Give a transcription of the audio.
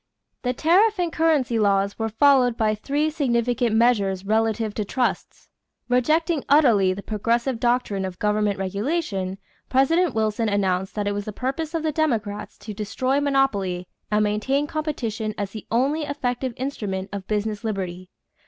= The tariff and currency laws were followed by three significant measures relative to trusts. Rejecting utterly the Progressive doctrine of government regulation, President Wilson announced that it was the purpose of the Democrats "to destroy monopoly and maintain competition as the only effective instrument of business liberty."